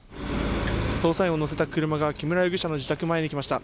捜査員を乗せた車が木村容疑者の自宅前に来ました。